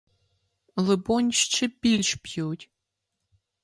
Либонь, ще більш п'ють!